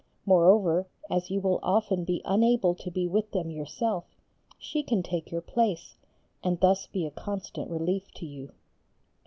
Moreover, as you will often be unable to be with them yourself, she can take your place, and thus be a constant relief to you.